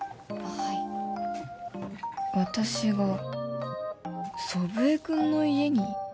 はい私が祖父江君の家に？